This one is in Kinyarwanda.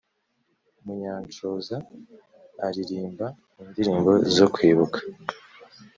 Munyanshoza aririmba indirimbo zo kwibuka